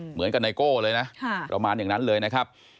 เหมือนกับไนโก้เลยนะประมาณอย่างนั้นเลยนะครับ